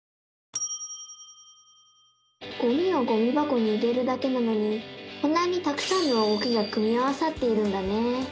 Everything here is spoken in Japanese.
ゴミをゴミばこに入れるだけなのにこんなにたくさんの動きが組み合わさっているんだね！